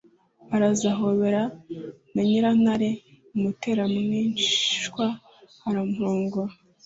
araza ahoberana na nyirantare, amutera umwishywa, aramurongora.